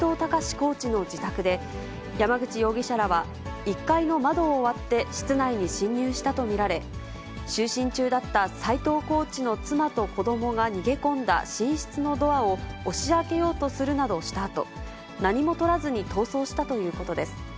コーチの自宅で、山口容疑者らは、１階の窓を割って室内に侵入したと見られ、就寝中だった斎藤コーチの妻と子どもが逃げ込んだ寝室のドアを押し開けようとするなどしたあと、何もとらずに逃走したということです。